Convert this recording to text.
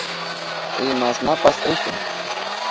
Imashnapas rishun.